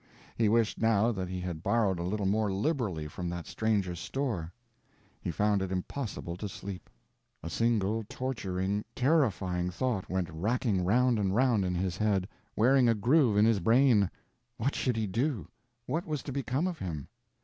He wished, now, that he had borrowed a little more liberally from that stranger's store. He found it impossible to sleep. A single torturing, terrifying thought went racking round and round in his head, wearing a groove in his brain: What should he do—What was to become of him?